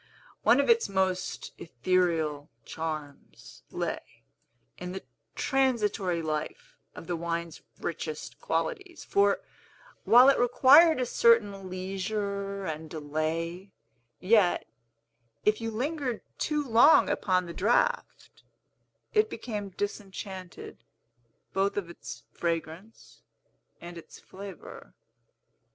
One of its most ethereal charms lay in the transitory life of the wine's richest qualities; for, while it required a certain leisure and delay, yet, if you lingered too long upon the draught, it became disenchanted both of its fragrance and its flavor.